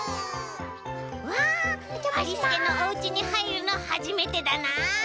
わっありすけのおうちにはいるのはじめてだな」。